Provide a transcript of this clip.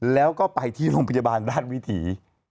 แล้วก็ไปที่โรงพยาบาลราชวิถี